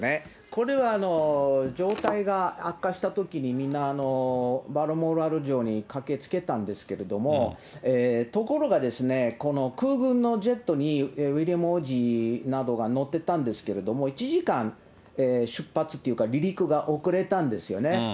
これは状態が悪化したときにみんなバルモラル城に駆けつけたんですけれども、ところがですね、この空軍のジェットに、ウィリアム王子などが乗ってたんですけれども、１時間出発というか、離陸が遅れたんですよね。